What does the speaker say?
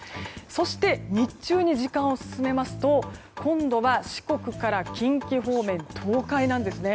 そして、日中に時間を進めますと今度は四国から近畿方面東海なんですね。